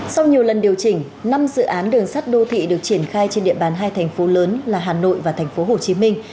sau nhiều lần điều chỉnh năm dự án đường sắt đô thị được triển khai trên địa bàn hai thành phố lớn là hà nội và thành phố hồ chí minh